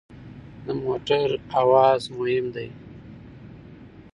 د موټر اواز مهم دی.